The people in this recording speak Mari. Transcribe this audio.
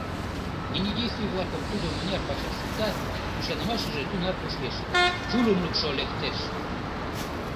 Нине действий-влакым тудо мыняр пачаш шукта, ӱшанымашыже тунар кушкеш, чулымлыкшо лектеш.